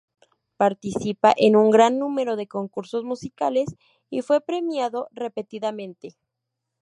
Participa en un gran número de concursos musicales y fue premiado repetidamente.